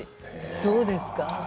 どうですか？